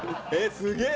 すげえ！